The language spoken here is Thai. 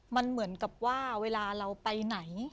มันเหมือนกับว่าเวลาเราไปไหน